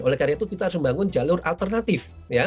oleh karena itu kita harus membangun jalur alternatif